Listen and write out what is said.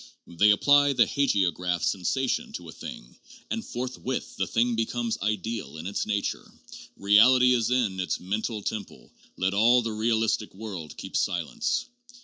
They apply the hagiograph 'sensation' to a thing, and forthwith the thing be comes ideal in its nature: Keality is in its mental temple, let all the realistic world keep silence.